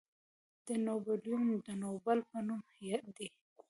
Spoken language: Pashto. د نوبلیوم د نوبل په نوم دی.